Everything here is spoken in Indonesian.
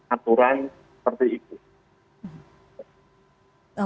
aturan seperti itu